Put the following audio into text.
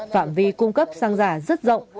phạm vi cung cấp xăng giả rất rộng